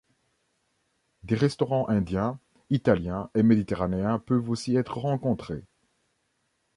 Des restaurants indiens, italiens et méditerranéens peuvent aussi être rencontrés.